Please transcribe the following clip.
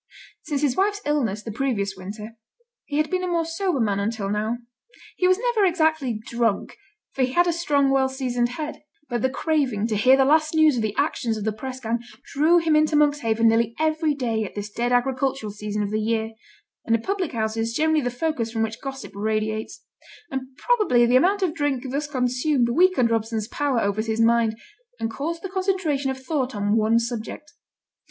Since his wife's illness the previous winter he had been a more sober man until now. He was never exactly drunk, for he had a strong, well seasoned head; but the craving to hear the last news of the actions of the press gang drew him into Monkshaven nearly every day at this dead agricultural season of the year; and a public house is generally the focus from which gossip radiates; and probably the amount of drink thus consumed weakened Robson's power over his mind, and caused the concentration of thought on one subject.